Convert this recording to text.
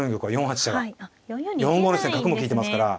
４五の地点角も利いてますから。